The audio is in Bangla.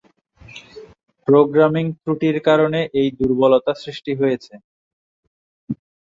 প্রোগ্রামিং ত্রুটির কারণে এই দুর্বলতা সৃষ্টি হয়েছে।